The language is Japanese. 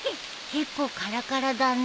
結構カラカラだね。